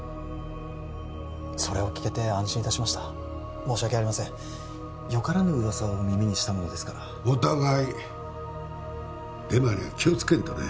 それを聞けて安心いたしました申し訳ありませんよからぬ噂を耳にしたものですからお互いデマには気をつけんとね